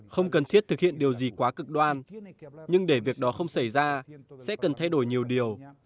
không cần thiết thực hiện điều gì quá cực đoan nhưng để việc đó không xảy ra sẽ cần thay đổi nhiều điều